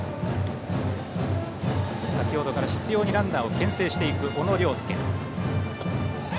先程から執ようにランナーをけん制する小野涼介。